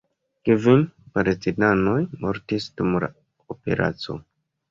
Kvin palestinanoj mortis dum la operaco.